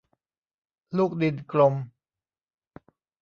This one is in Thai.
ลูกดินกลม